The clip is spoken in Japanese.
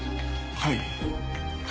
はい。